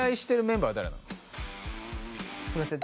すいません。